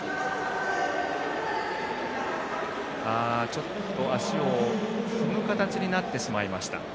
ちょっと足を踏む形になってしまいました。